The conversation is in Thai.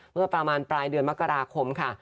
เมื่อประมาณปลายเดือนมกราคมค่ะ